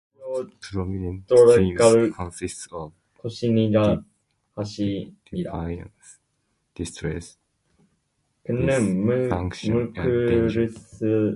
The most prominent themes consist of: "deviance, distress, dysfunction and danger".